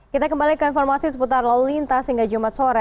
kita kembali ke informasi seputar lalu lintas hingga jumat sore